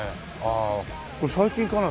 あこれ最近かな？